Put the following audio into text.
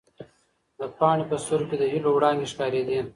د پاڼې په سترګو کې د هیلو وړانګې ښکارېدې.